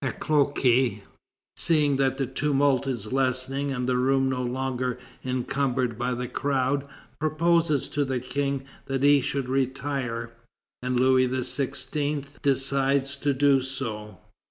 Acloque, seeing that the tumult is lessening and the room no longer encumbered by the crowd, proposes to the King that he should retire, and Louis XVI. decides to do so.